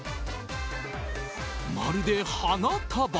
まるで花束！